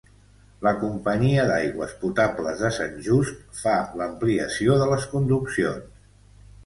La Companyia d'Aigües Potables de Sant Just, fa l'ampliació de les conduccions.